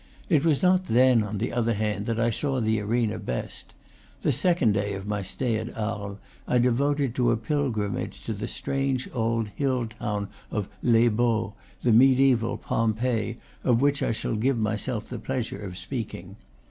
It was not then, on the other hand, that I saw the arena best. The second day of my stay at Arles I devoted to a pilgrimage to the strange old hill town of Les Baux, the mediaeval Pompeii, of which I shall give myself the pleasure of speaking.